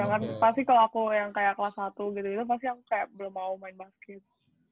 jangan pasti kalau aku yang kayak kelas satu gitu gitu pasti yang kayak belum mau main basket